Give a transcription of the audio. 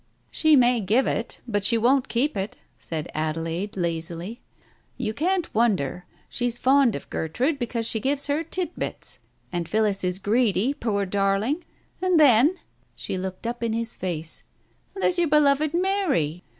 "She may give it, but she won't keep it," said Adelaide lazily. "You can't wonder. She's fond of Gertrude, because she gives her tit bits, and Phillis is greedy, poor darling ! And then "— she looked up in his face — "there's your beloved Mary!